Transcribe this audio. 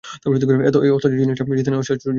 এই অত্যাশ্চর্য জিনিসটা জিতে নেয়ার শেষ সুযোগ এখনই।